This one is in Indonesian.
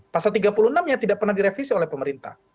pasal tiga puluh enam nya tidak pernah direvisi oleh pemerintah